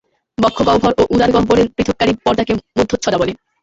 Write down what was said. বক্ষগহ্বর ও উদারগহ্বর পৃথককারী পর্দাকে মধ্যচ্ছদা বলে।